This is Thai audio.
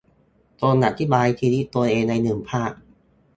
จงอธิบายชีวิตตัวเองในหนึ่งภาพ